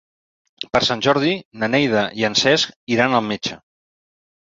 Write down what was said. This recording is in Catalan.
Per Sant Jordi na Neida i en Cesc iran al metge.